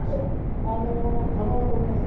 ええ可能だと思います。